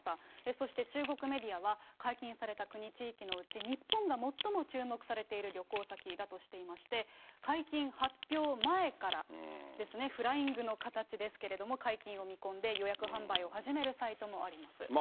そして中国メディアは、解禁された国、地域のうち、日本が最も注目されている旅行先だとしていまして、解禁発表前からフライングの形ですけれども、解禁を見込んで、予約販売を始めるサイトもあります。